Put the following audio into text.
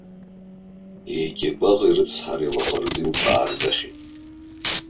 Егьа гәаӷи, рыцҳареи, лаӷырӡи лбаардахьеит.